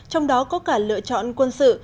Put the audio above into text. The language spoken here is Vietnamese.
trong đó có cả lựa chọn quân sự